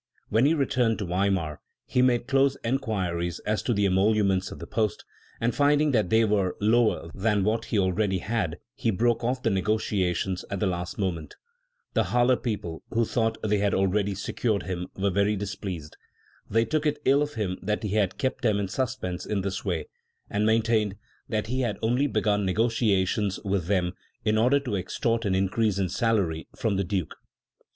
When he returned to Weimar, he made closer enquiries as to the emoluments of the post, and finding that they were lower than what he already had he broke off the negociations at the last moment. The Halle people, who thought they had al ready secured him, were very displeased. They took it ill of him that he had kept them in suspense in this way, and maintained that he had only begun negociations with them in order to extort an increase in salary from the Duke.